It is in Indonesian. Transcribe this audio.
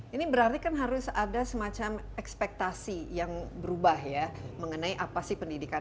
ini berarti kan harus ada semacam ekspektasi yang berubah ya mengenai apa sih pendidikan